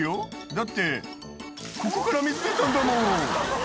「だってここから水出たんだもん！」